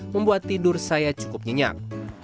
membuat tidur saya cukup nyenyak